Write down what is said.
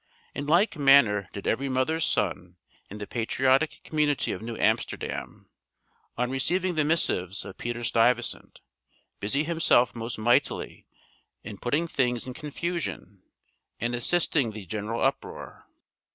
In like manner did every mother's son in the patriotic community of New Amsterdam, on receiving the missives of Peter Stuyvesant, busy himself most mightily in putting things in confusion, and assisting the general uproar.